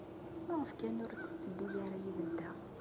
Maɣef kan ur tetteddu ara yid-nteɣ?